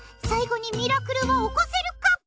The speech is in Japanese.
最後にミラクルは起こせるか？